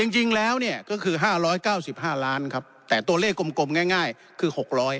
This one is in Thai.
จริงแล้วเนี่ยก็คือ๕๙๕ล้านครับแต่ตัวเลขกลมง่ายคือ๖๐๐